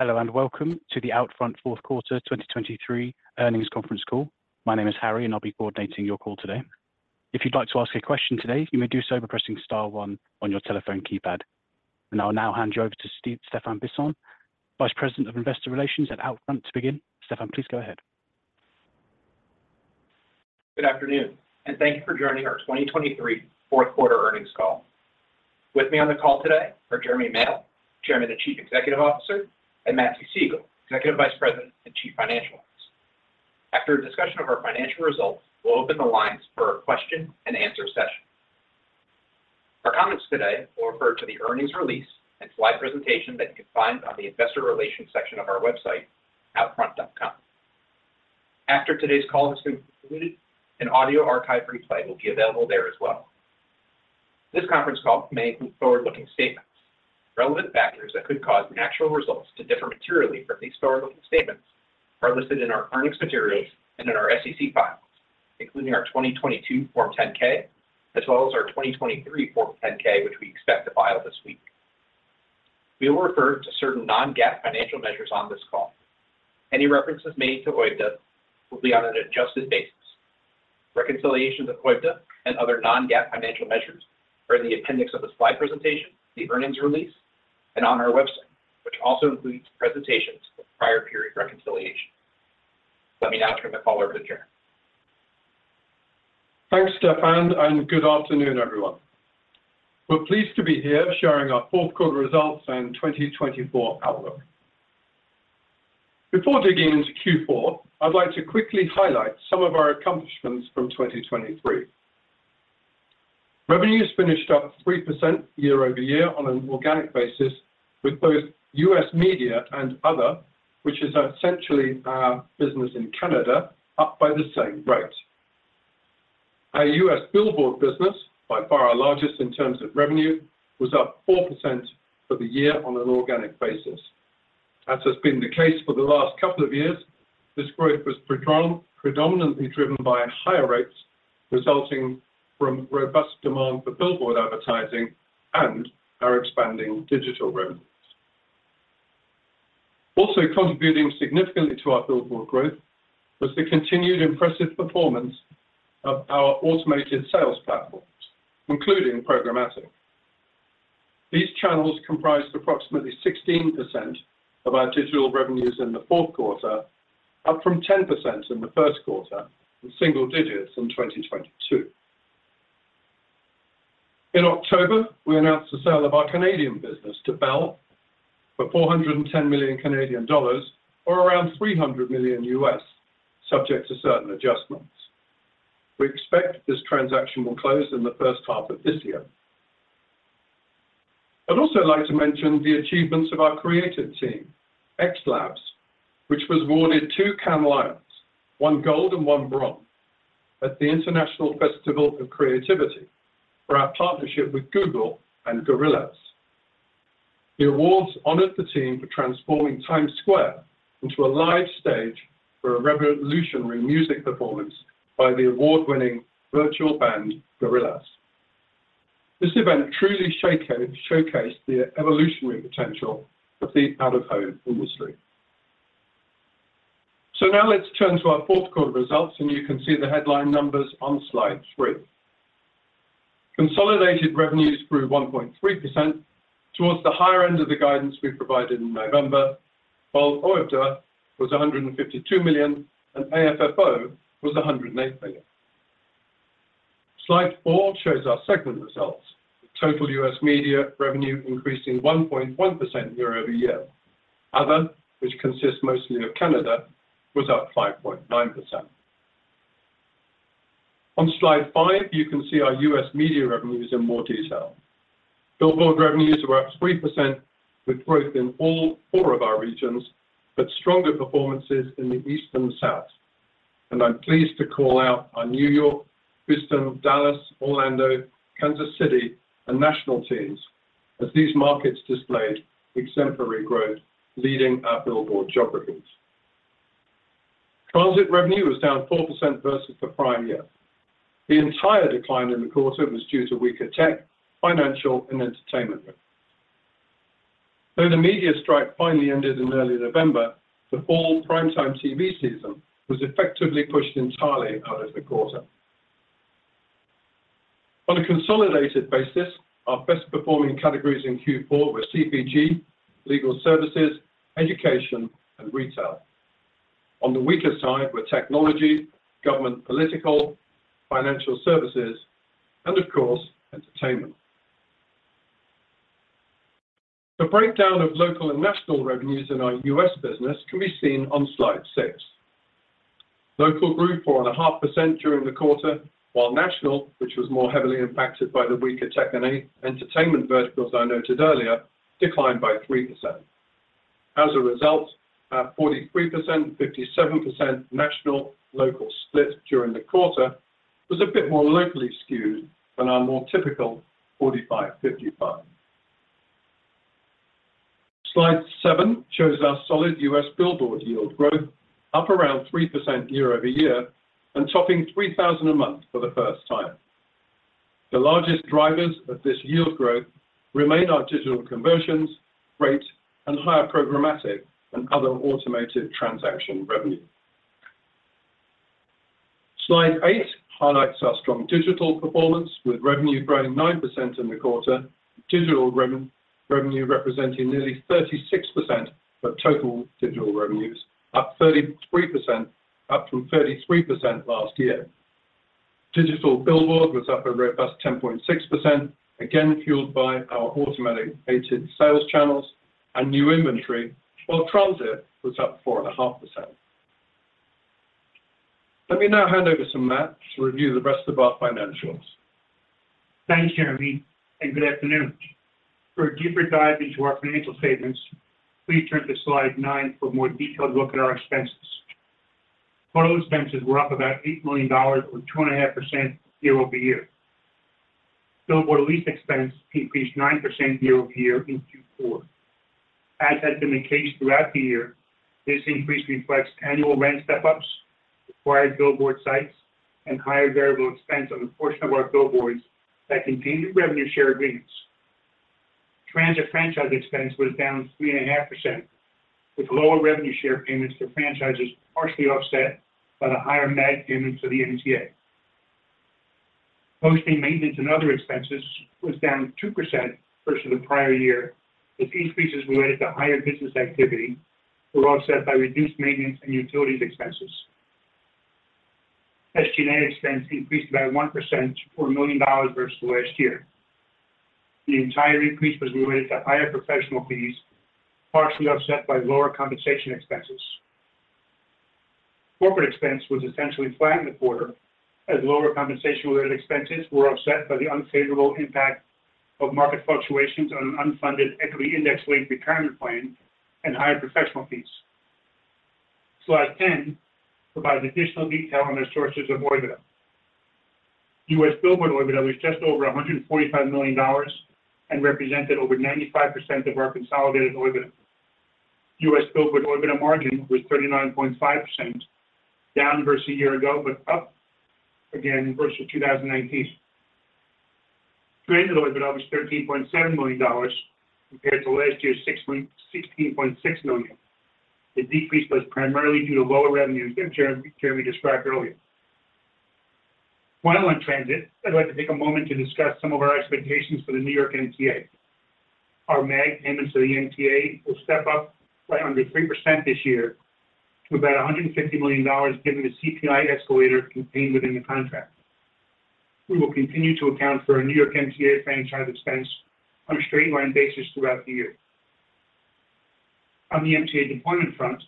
Hello and welcome to the OUTFRONT Q4 2023 Earnings Conference Call. My name is Harry, and I'll be coordinating your call today. If you'd like to ask a question today, you may do so by pressing star one on your telephone keypad. I'll now hand you over to Stephan Bisson, Vice President of Investor Relations at OUTFRONT, to begin. Stephan, please go ahead. Good afternoon, and thank you for joining our 2023 Q4 Earnings Call. With me on the call today are Jeremy Male, Chairman and Chief Executive Officer, and Matthew Siegel, Executive Vice President and Chief Financial Officer. After a discussion of our financial results, we'll open the lines for a question-and-answer session. Our comments today will refer to the earnings release and slide presentation that you can find on the Investor Relations section of our website, outfront.com. After today's call has been concluded, an audio archive replay will be available there as well. This conference call may include forward-looking statements. Relevant factors that could cause actual results to differ materially from these forward-looking statements are listed in our earnings materials and in our SEC files, including our 2022 Form 10-K, as well as our 2023 Form 10-K, which we expect to file this week. We will refer to certain non-GAAP financial measures on this call. Any references made to OIBDA will be on an adjusted basis. Reconciliations of OIBDA and other non-GAAP financial measures are in the appendix of the slide presentation, the earnings release, and on our website, which also includes presentations of prior period reconciliations. Let me now turn the call over to Jeremy. Thanks, Stephan, and good afternoon, everyone. We're pleased to be here sharing our Q4 results and 2024 outlook. Before digging into Q4, I'd like to quickly highlight some of our accomplishments from 2023. Revenue has finished up 3% year-over-year on an organic basis, with both U.S. Media and Other, which is essentially our business in Canada, up by the same rate. Our U.S. billboard business, by far our largest in terms of revenue, was up 4% for the year on an organic basis. As has been the case for the last couple of years, this growth was predominantly driven by higher rates resulting from robust demand for billboard advertising and our expanding digital revenues. Also contributing significantly to our billboard growth was the continued impressive performance of our automated sales platforms, including programmatic. These channels comprised approximately 16% of our digital revenues in the Q4, up from 10% in the Q1, single digits in 2022. In October, we announced the sale of our Canadian business to Bell for 410 million Canadian dollars, or around $300 million US, subject to certain adjustments. We expect this transaction will close in the first half of this year. I'd also like to mention the achievements of our creative team, XLabs, which was awarded two Cannes Lions, one Gold and one Bronze, at the International Festival of Creativity for our partnership with Google and Gorillaz. The awards honored the team for transforming Times Square into a live stage for a revolutionary music performance by the award-winning virtual band Gorillaz. This event truly showcased the evolutionary potential of the out-of-home industry. Now let's turn to our Quarter Results, and you can see the headline numbers on Slide 3. Consolidated revenues grew 1.3% toward the higher end of the guidance we provided in November, while OIBDA was $152 million and AFFO was $108 million. Slide 4 shows our segment results, with total U.S. media revenue increasing 1.1% year-over-year. Other, which consists mostly of Canada, was up 5.9%. On Slide 5, you can see our U.S. media revenues in more detail. Billboard revenues were up 3% with growth in all four of our regions, but stronger performances in the East and the South. I'm pleased to call out our New York, Houston, Dallas, Orlando, Kansas City, and national teams as these markets displayed exemplary growth leading our billboard geographies. Transit revenue was down 4% versus the prior year. The entire decline in the quarter was due to weaker tech, financial, and entertainment revenues. Though the media strike finally ended in early November, the fall primetime TV season was effectively pushed entirely out of the quarter. On a consolidated basis, our best-performing categories in Q4 were CPG, legal services, education, and retail. On the weaker side were technology, government political, financial services, and of course, entertainment. The breakdown of local and national revenues in our U.S. business can be seen on Slide 6. Local grew 4.5% during the quarter, while national, which was more heavily impacted by the weaker tech and entertainment verticals I noted earlier, declined by 3%. As a result, our 43%-57% national-local split during the quarter was a bit more locally skewed than our more typical 45%-55%. Slide 7 shows our solid U.S. billboard yield growth, up around 3% year-over-year and topping 3,000 a month for the first time. The largest drivers of this yield growth remain our digital conversions, rate, and higher Programmatic and other automated transaction revenue. Slide 8 highlights our strong digital performance, with revenue growing 9% in the quarter, digital revenue representing nearly 36% of total digital revenues, up 33% last year. Digital billboard was up a robust 10.6%, again fueled by our automated sales channels and new inventory, while transit was up 4.5%. Let me now hand over to Matt to review the rest of our financials. Thanks, Jeremy, and good afternoon. For a deeper dive into our financial statements, please turn to Slide 9 for a more detailed look at our expenses. Total expenses were up about $8 million or +2.5% year-over-year. Billboard lease expense increased +9% year-over-year in Q4. As had been the case throughout the year, this increase reflects annual rent step-ups, acquired billboard sites, and higher variable expense on a portion of our billboards that contained revenue share agreements. Transit franchise expense was down -3.5%, with lower revenue share payments for franchises partially offset by the higher MAG payments for the MTA. Hosting, maintenance, and other expenses was down -2% versus the prior year. This increase is related to higher business activity, which was offset by reduced maintenance and utilities expenses. SG&A expense increased by +1%, $4 million versus the last year. The entire increase was related to higher professional fees, partially offset by lower compensation expenses. Corporate expense was essentially flat in the quarter as lower compensation-related expenses were offset by the unfavorable impact of market fluctuations on an unfunded equity index-linked retirement plan and higher professional fees. Slide 10 provides additional detail on our sources of OIBDA. U.S. billboard OIBDA was just over $145 million and represented over 95% of our consolidated OIBDA. U.S. billboard OIBDA margin was 39.5%, down versus a year ago but up again versus 2019. Transit OIBDA was $13.7 million compared to last year's $16.6 million. The decrease was primarily due to lower revenues, as Jeremy described earlier. While on transit, I'd like to take a moment to discuss some of our expectations for the New York MTA. Our MAG payments to the MTA will step up by under 3% this year to about $150 million given the CPI escalator contained within the contract. We will continue to account for our New York MTA franchise expense on a straight-line basis throughout the year. On the MTA deployment front,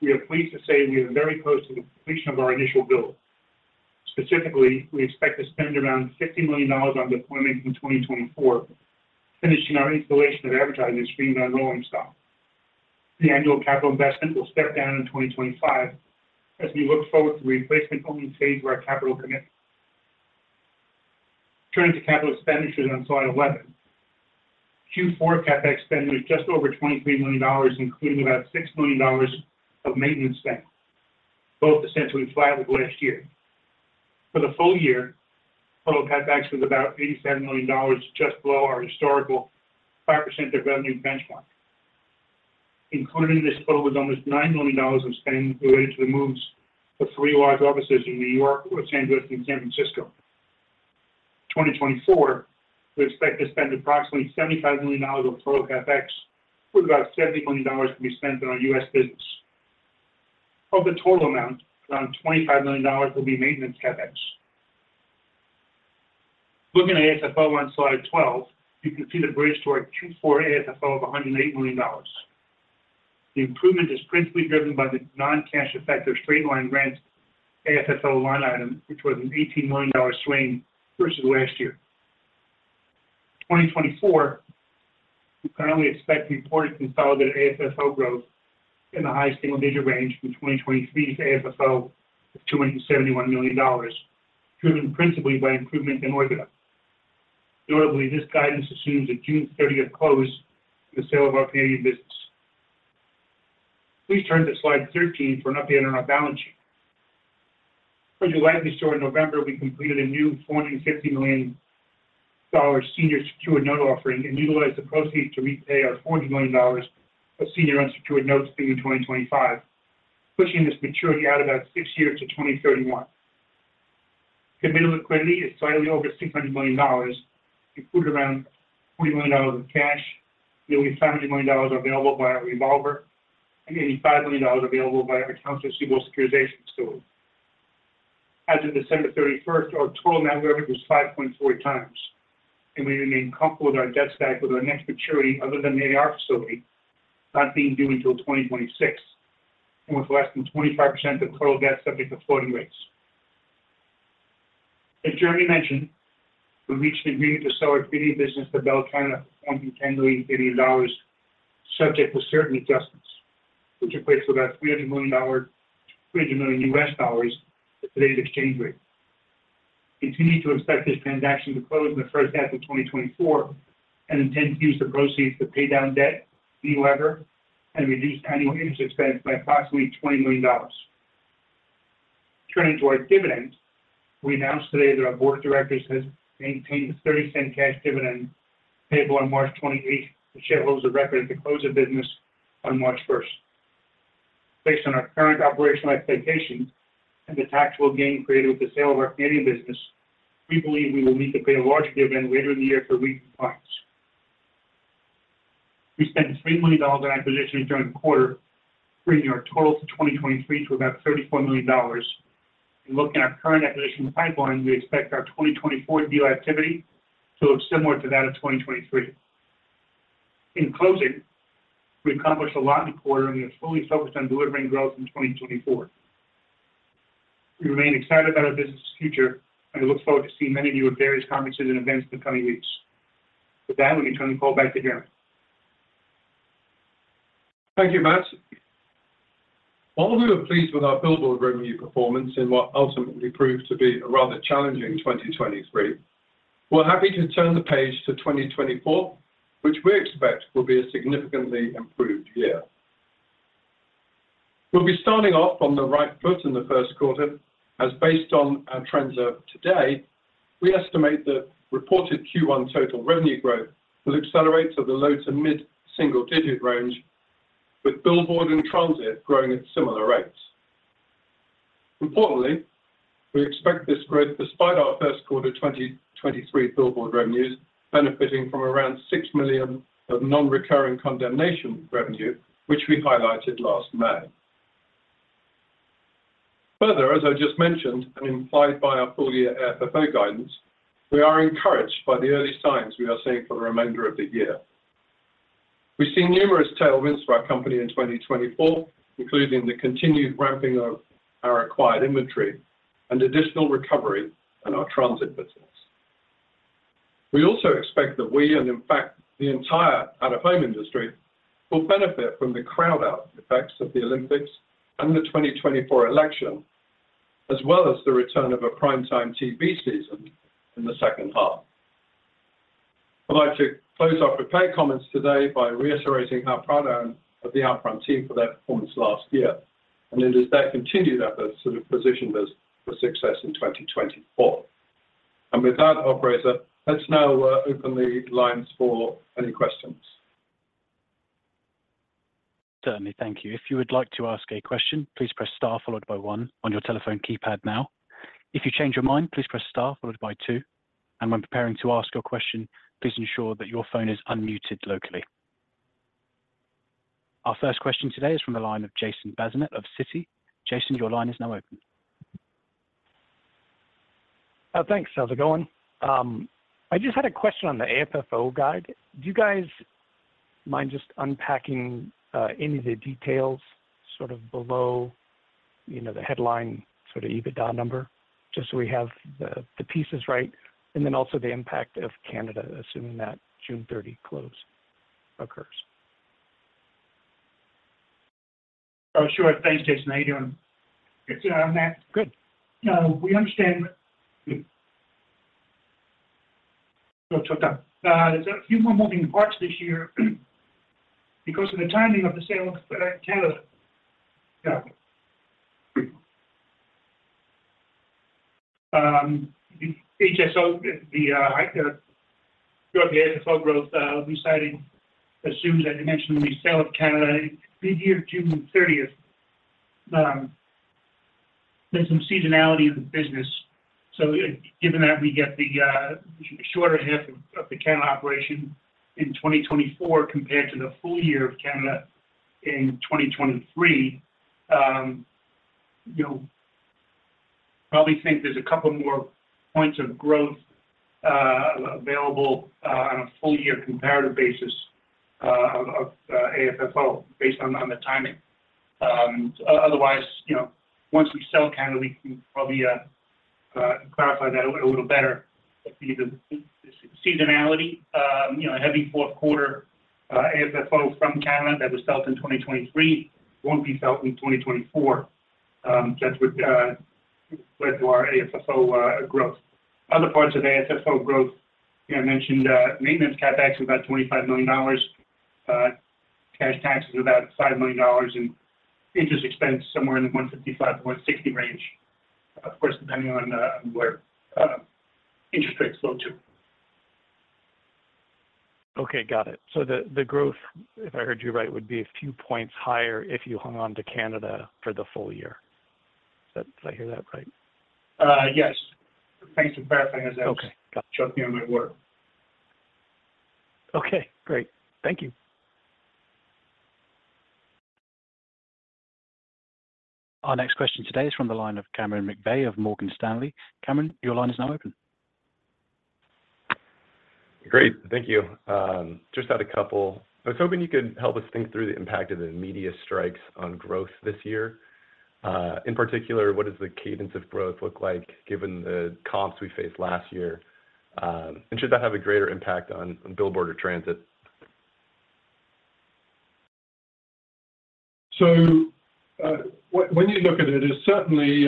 we are pleased to say we are very close to the completion of our initial build. Specifically, we expect to spend around $50 million on deployment in 2024, finishing our installation of advertising screens on rolling stock. The annual capital investment will step down in 2025 as we look forward to the replacement-only phase of our capital commitment. Turning to capital expenditures on Slide 11, Q4 CAPEX spending was just over $23 million, including about $6 million of maintenance spend, both essentially flat with last year. For the full year, total CAPEX was about $87 million, just below our historical 5% of revenue benchmark. Included in this total was almost $9 million of spend related to the moves to three large offices in New York, Los Angeles, and San Francisco. 2024, we expect to spend approximately $75 million of total CAPEX, with about $70 million to be spent on our U.S. business. Of the total amount, around $25 million will be maintenance CAPEX. Looking at AFFO on Slide 12, you can see the bridge to our Q4 AFFO of $108 million. The improvement is principally driven by the non-cash effect of straight-line rent AFFO line item, which was an $18 million swing versus last year. 2024, we currently expect reported consolidated AFFO growth in the high single-digit range from 2023's AFFO of $271 million, driven principally by improvement in OIBDA. Notably, this guidance assumes a June 30th close for the sale of our Canadian business. Please turn to Slide 13 for an update on our balance sheet. In July this year and in November, we completed a new $450 million senior secured note offering and utilized the proceeds to repay our $400 million of senior unsecured notes due in 2025, pushing this maturity out about six years to 2031. Committed liquidity is slightly over $600 million, including around $40 million of cash, nearly $500 million available via revolver, and nearly $5 million available via accounts receivable securitization facility. As of December 31st, our total net debt to revenue was 5.4 times, and we remain comfortable with our debt stack with our next maturity other than maybe our facility not being due until 2026 and with less than 25% of total debt subject to floating rates. As Jeremy mentioned, we reached an agreement to sell our Canadian business to Bell Media for 410 million subject to certain adjustments, which equates to about $300 million-$300 million US at today's exchange rate. Continue to expect this transaction to close in the first half of 2024 and intend to use the proceeds to pay down debt, delever, and reduce annual interest expense by approximately $20 million. Turning to our dividends, we announced today that our board of directors has maintained a $0.30 cash dividend payable on March 28th to holders of record at the close of business on March 1st. Based on our current operational expectations and the taxable gain created with the sale of our Canadian business, we believe we will need to pay a larger dividend later in the year for REIT compliance. We spent $3 million in acquisitions during the quarter, bringing our total for 2023 to about $34 million. Looking at our current acquisition pipeline, we expect our 2024 deal activity to look similar to that of 2023. In closing, we accomplished a lot in the quarter, and we are fully focused on delivering growth in 2024. We remain excited about our business's future, and we look forward to seeing many of you at various conferences and events in the coming weeks. With that, let me turn the call back to Jeremy. Thank you, Matt. All who are pleased with our billboard revenue performance in what ultimately proved to be a rather challenging 2023, we're happy to turn the page to 2024, which we expect will be a significantly improved year. We'll be starting off on the right foot in the Q1, as based on our trends of today, we estimate that reported Q1 total revenue growth will accelerate to the low to mid-single-digit range, with billboard and transit growing at similar rates. Importantly, we expect this growth despite our Q1 2023 billboard revenues benefiting from around $6 million of non-recurring condemnation revenue, which we highlighted last May. Further, as I just mentioned and implied by our full-year AFFO guidance, we are encouraged by the early signs we are seeing for the remainder of the year. We see numerous tailwinds for our company in 2024, including the continued ramping of our acquired inventory and additional recovery in our transit business. We also expect that we and, in fact, the entire out-of-home industry will benefit from the crowd-out effects of the Olympics and the 2024 election, as well as the return of a primetime TV season in the second half. I'd like to close off with a pair of comments today by reiterating how proud I am of the OUTFRONT team for their performance last year and in doing so that continues their sort of position for success in 2024. With that, operator, let's now open the lines for any questions. Certainly, thank you. If you would like to ask a question, please press star followed by one on your telephone keypad now. If you change your mind, please press star followed by two. When preparing to ask your question, please ensure that your phone is unmuted locally. Our first question today is from the line of Jason Bazinet of Citi. Jason, your line is now open. Thanks, Go on. I just had a question on the AFFO guide. Do you guys mind just unpacking any of the details sort of below the headline sort of EBITDA number, just so we have the pieces right, and then also the impact of Canada, assuming that June 30 close, occurs? Sure. Thanks, Jason. How are you doing? Good, Matt. Good. We understand. Good. Go talk to them. There's a few more moving parts this year because of the timing of the sale of Canada. So, the growth of the AFFO growth we cited assumes, as you mentioned, the sale of Canada mid-year, June 30th. There's some seasonality in the business. So given that we get the shorter half of the Canada operation in 2024 compared to the full year of Canada in 2023, I probably think there's a couple more points of growth available on a full-year comparative basis of AFFO based on the timing. Otherwise, once we sell Canada, we can probably clarify that a little better. The seasonality, heavy Q4 AFFO from Canada that was felt in 2023 won't be felt in 2024. That's what led to our AFFO growth. Other parts of AFFO growth, I mentioned maintenance CAPEX is about $25 million, cash taxes about $5 million, and interest expense somewhere in the $155 million-$160 million range, of course, depending on where interest rates flow to. Okay. Got it. So the growth, if I heard you right, would be a few points higher if you hung on to Canada for the full year. Did I hear that right? Yes. Thanks for clarifying that. That just choked me on my word. Okay. Great. Thank you. Our next question today is from the line of Cameron McVeigh of Morgan Stanley. Cameron, your line is now open. Great. Thank you. Just had a couple I was hoping you could help us think through the impact of the immediate strikes on growth this year. In particular, what does the cadence of growth look like given the comps we faced last year, and should that have a greater impact on billboard or transit? So when you look at it, certainly,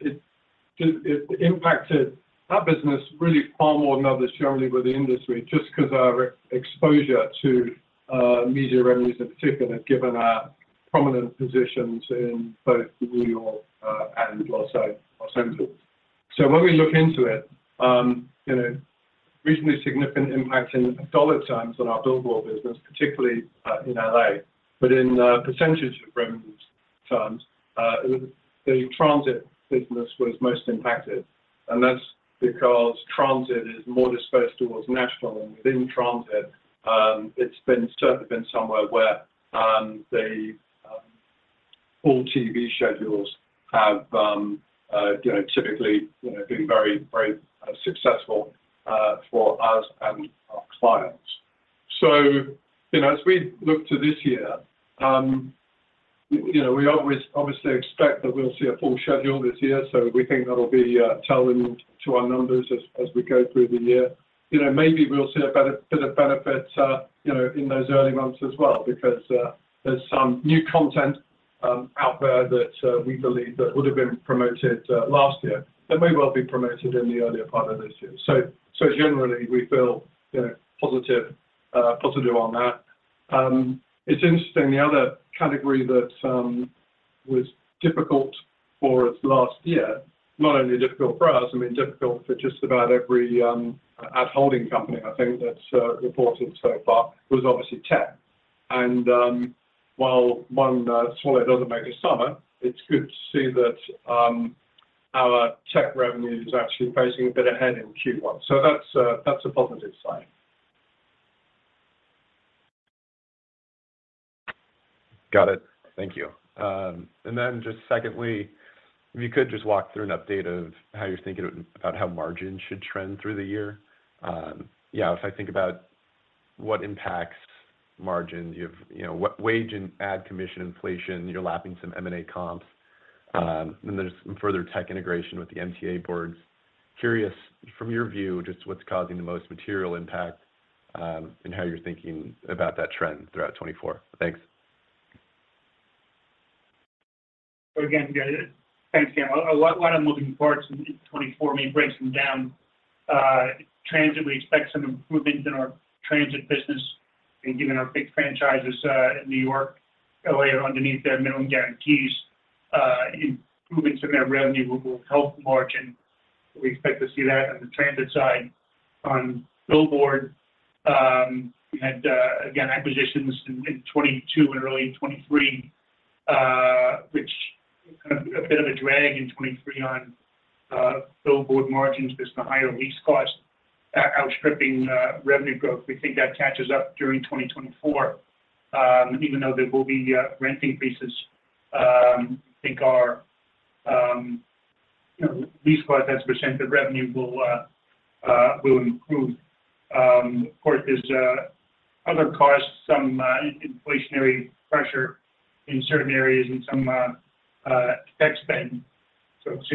it impacted our business really far more than others generally with the industry just because of our exposure to media revenues in particular, given our prominent positions in both New York and Los Angeles. So when we look into it, reasonably significant impact in dollar terms on our billboard business, particularly in L.A., but in percentage of revenues terms, the transit business was most impacted. And that's because transit is more dispersed towards national, and within transit, it's certainly been somewhere where the full TV schedules have typically been very, very successful for us and our clients. So as we look to this year, we obviously expect that we'll see a full schedule this year. So we think that'll be telling to our numbers as we go through the year. Maybe we'll see a bit of benefit in those early months as well because there's some new content out there that we believe that would have been promoted last year that may well be promoted in the earlier part of this year. So generally, we feel positive on that. It's interesting, the other category that was difficult for us last year, not only difficult for us, I mean, difficult for just about every ad-holding company, I think, that's reported so far was obviously tech. And while one swallow doesn't make a summer, it's good to see that our tech revenue is actually pacing a bit ahead in Q1. So that's a positive sign. Got it. Thank you. Then just secondly, if you could just walk through an update of how you're thinking about how margin should trend through the year. Yeah, if I think about what impacts margins, you have wage and ad commission inflation, you're lapping some M&A comps, and then there's some further tech integration with the MTA boards. Curious, from your view, just what's causing the most material impact and how you're thinking about that trend throughout 2024. Thanks. So again, thanks, Cameron. A lot of moving parts in 2024 may break some down. Transit, we expect some improvements in our transit business, given our big franchises in New York, L.A., are underneath their minimum guarantees. Improvements in their revenue will help margin. We expect to see that on the transit side. On billboard, we had, again, acquisitions in 2022 and early 2023, which kind of a bit of a drag in 2023 on billboard margins, just the higher lease cost outstripping revenue growth. We think that catches up during 2024, even though there will be rent increases. I think our lease cost as a percent of revenue will improve. Of course, there's other costs, some inflationary pressure in certain areas and some tech spend. So it's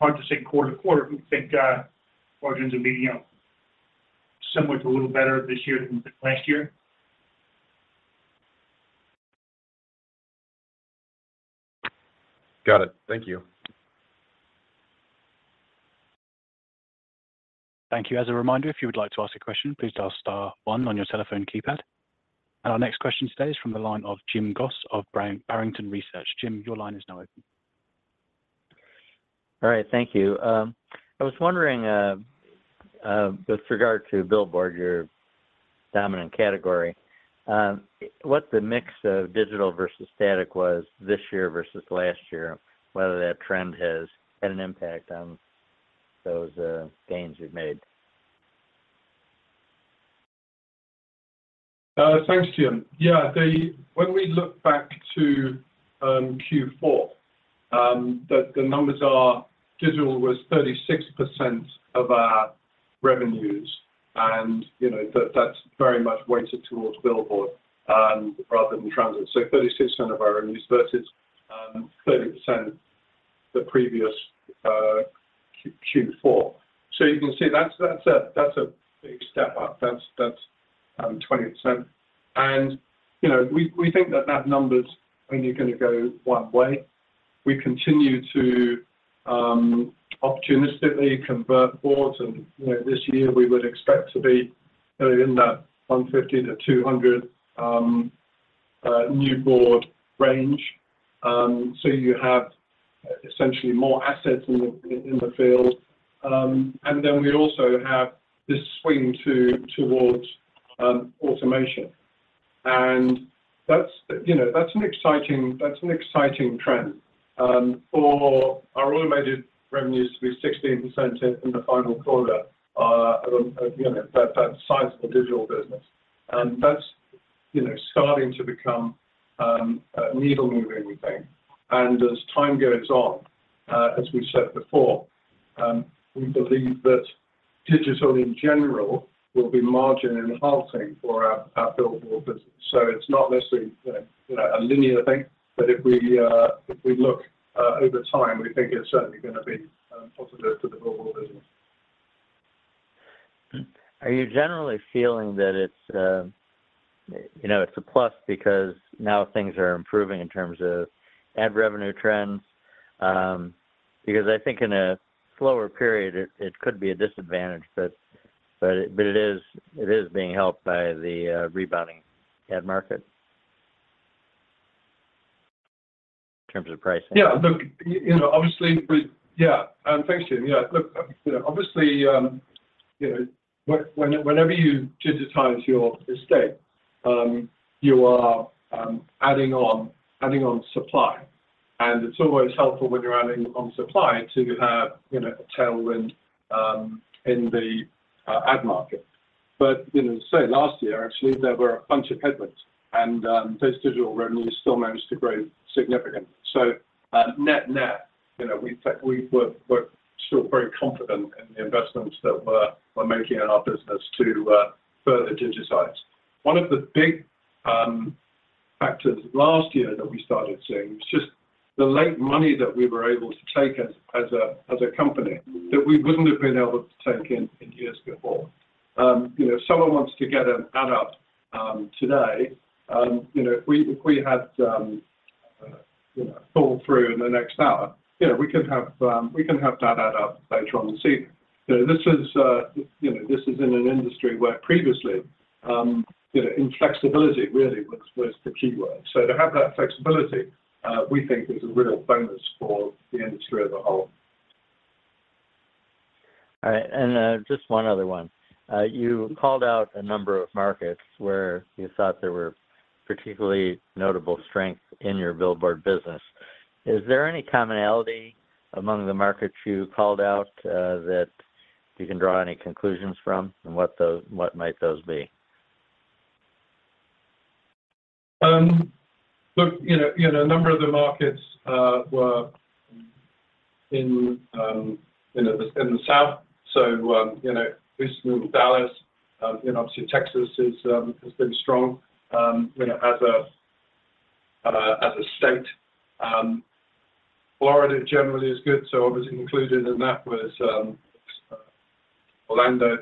hard to say quarter to quarter. We think margins will be somewhat a little better this year than last year. Got it. Thank you. Thank you. As a reminder, if you would like to ask a question, please press star one on your telephone keypad. Our next question today is from the line of James Goss of Barrington Research. James, your line is now open. All right. Thank you. I was wondering, with regard to billboard, your dominant category, what the mix of digital versus static was this year versus last year, whether that trend has had an impact on those gains you've made? Thanks, James. Yeah, when we look back to Q4, the numbers are digital was 36% of our revenues, and that's very much weighted towards billboard rather than transit. So 36% of our revenues versus 30% the previous Q4. So you can see that's a big step up. That's 20%. And we think that that number's only going to go one way. We continue to opportunistically convert boards, and this year, we would expect to be in that 150-200 new board range. So you have essentially more assets in the field. And then we also have this swing towards automation. And that's an exciting trend. For our automated revenues to be 16% in the final quarter of that sizable digital business, that's starting to become a needle-moving, we think. As time goes on, as we've said before, we believe that digital, in general, will be margin-enhancing for our billboard business. It's not necessarily a linear thing, but if we look over time, we think it's certainly going to be positive for the billboard business. Are you generally feeling that it's a plus because now things are improving in terms of ad revenue trends? Because I think in a slower period, it could be a disadvantage, but it is being helped by the rebounding ad market in terms of pricing. Yeah. Look, obviously, yeah. Thanks, James. Yeah. Look, obviously, whenever you digitize your estate, you are adding on supply. And it's always helpful when you're adding on supply to have a tailwind in the ad market. But as I say, last year, actually, there were a bunch of headwinds, and those digital revenues still managed to grow significantly. So net-net, we're still very confident in the investments that we're making in our business to further digitize. One of the big factors last year that we started seeing was just the late money that we were able to take as a company that we wouldn't have been able to take in years before. If someone wants to get an ad up today, if we had thought through in the next hour, we can have that ad up later on and see. This is in an industry where previously, inflexibility, really, was the key word. So to have that flexibility, we think, is a real bonus for the industry as a whole. All right. Just one other one. You called out a number of markets where you thought there were particularly notable strengths in your billboard business. Is there any commonality among the markets you called out that you can draw any conclusions from, and what might those be? Look, a number of the markets were in the south. So Houston, Dallas, and obviously, Texas has been strong as a state. Florida, generally, is good. So obviously, included in that was Orlando.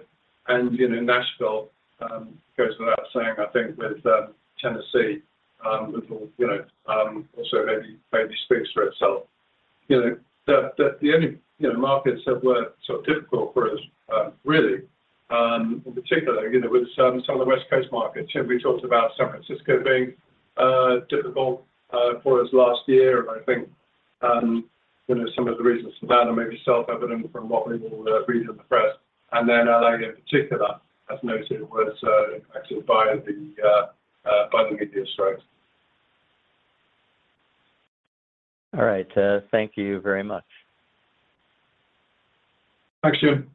And Nashville goes without saying, I think, with Tennessee, which also maybe speaks for itself. The only markets that were sort of difficult for us, really, in particular, with some of the West Coast markets, we talked about San Francisco being difficult for us last year, and I think some of the reasons for that are maybe self-evident from what we will read in the press. And then LA, in particular, as noted, was impacted by the media strikes. All right. Thank you very much. Thanks, James.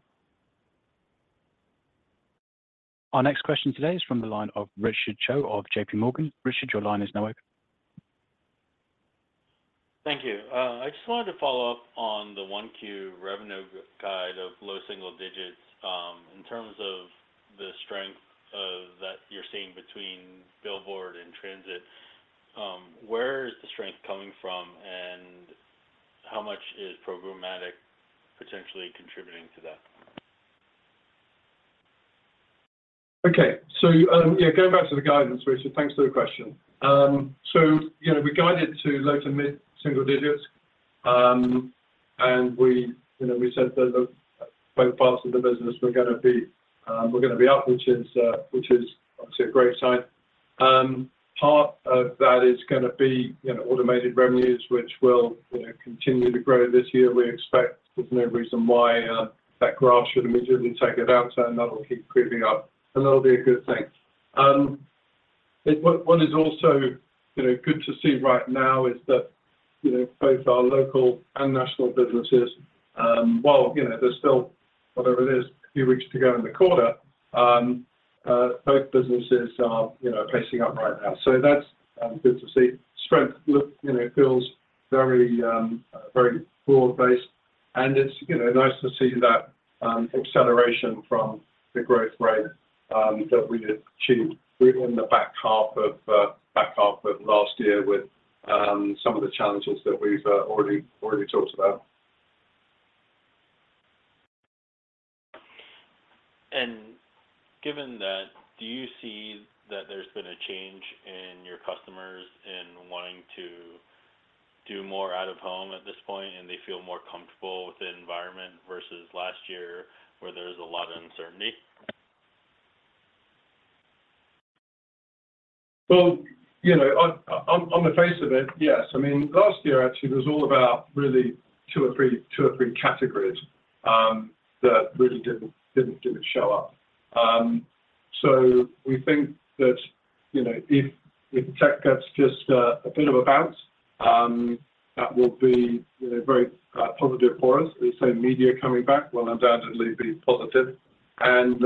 Our next question today is from the line of Richard Choe of JPMorgan. Richard, your line is now open. Thank you. I just wanted to follow up on the Q1 revenue guide of low single digits. In terms of the strength that you're seeing between billboard and transit, where is the strength coming from, and how much is programmatic potentially contributing to that? Okay. So yeah, going back to the guidance, Richard, thanks for the question. So we guided to low- to mid-single digits, and we said that both parts of the business were going to be, we're going to be up, which is obviously a great sign. Part of that is going to be automated revenues, which will continue to grow this year, we expect. There's no reason why that graph should immediately take it out, and that'll keep creeping up, and that'll be a good thing. What is also good to see right now is that both our local and national businesses, while there's still, whatever it is, a few weeks to go in the quarter, both businesses are pacing up right now. So that's good to see. Strength feels very, very broad-based, and it's nice to see that acceleration from the growth rate that we achieved in the back half of last year with some of the challenges that we've already talked about. And given that, do you see that there's been a change in your customers in wanting to do more out of home at this point, and they feel more comfortable with the environment versus last year where there was a lot of uncertainty? Well, on the face of it, yes. I mean, last year, actually, was all about really two or three categories that really didn't show up. So we think that if tech gets just a bit of a bounce, that will be very positive for us. As I say, media coming back will undoubtedly be positive. And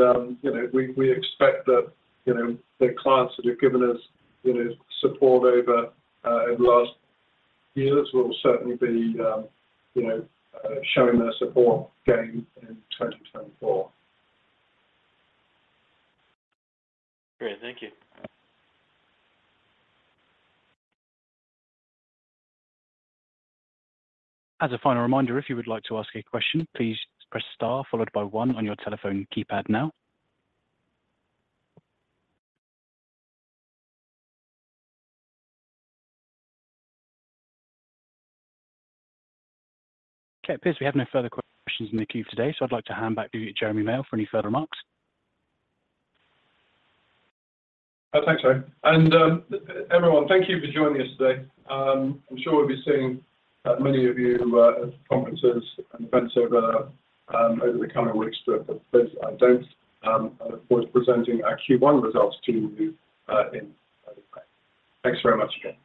we expect that the clients that have given us support over the last years will certainly be showing their support again in 2024. Great. Thank you. As a final reminder, if you would like to ask a question, please press star followed by one on your telephone keypad now. Okay. It appears we have no further questions in the queue today, so I'd like to hand back to Jeremy Male for any further remarks. Thanks, Harry. Everyone, thank you for joining us today. I'm sure we'll be seeing many of you at conferences and events over the coming weeks, but for those that don't, I look forward to presenting our Q1 results to you in early May. Thanks very much again.